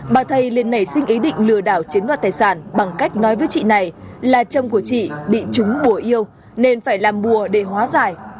bà thầy liên nảy sinh ý định lừa đảo chiếm đoạt tài sản bằng cách nói với chị này là chồng của chị bị chúng bùa yêu nên phải làm bùa để hóa giải